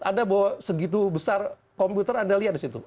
ada bahwa segitu besar komputer anda lihat di situ